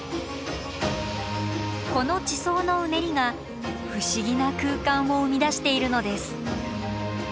この地層のうねりが不思議な空間を生み出しているのです。